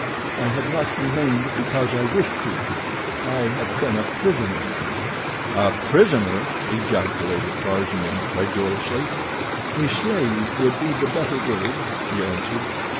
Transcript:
I have not remained because I wished to; I have been a prisoner." "A prisoner!" ejaculated Tarzan incredulously. "A slave would be the better word," she answered.